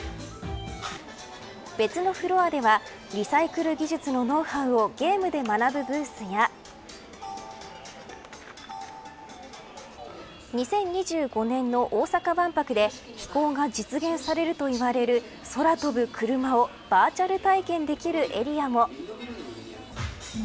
別のフロアではリサイクル技術のノウハウをゲームで学ぶブースや２０２５年の大阪万博で飛行が実現されるといわれる空飛ぶ車をバーチャル体験できるエリアも。